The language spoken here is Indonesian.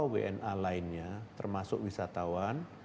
wni lainnya termasuk wisatawan